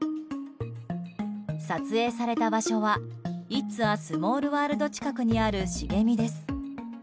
撮影された場所は「イッツ・ア・スモールワールド」近くにある茂みです。